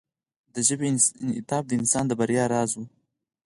د ژبې انعطاف د انسان د بریا راز و.